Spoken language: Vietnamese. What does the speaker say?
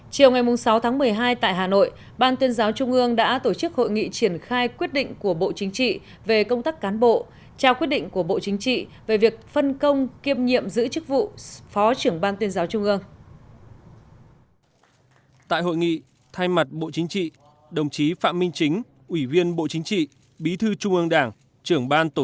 chiều ngày sáu tháng một mươi hai tại hà nội ban tuyên giáo trung ương đã tổ chức hội nghị triển khai quyết định của bộ chính trị về công tác cán bộ